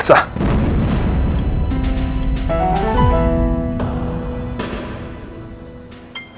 sekarang gue tanya sama kamu